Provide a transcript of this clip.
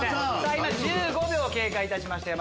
今１５秒経過いたしました。